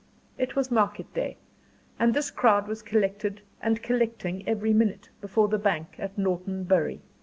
It was market day, and this crowd was collected and collecting every minute, before the bank at Norton Bury.